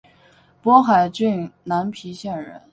勃海郡南皮县人。